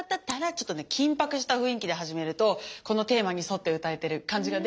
ちょっとね緊迫した雰囲気で始めるとこのテーマに沿って歌えてる感じが出ますよね。